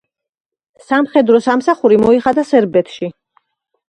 სამხედრო სამსახური მოიხადა სერბეთში.